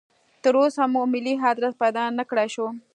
تراوسه مو ملي ادرس پیدا نکړای شو.